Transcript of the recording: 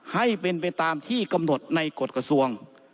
ให้เป็นไปตามที่กำหนดในกฎกระทรวง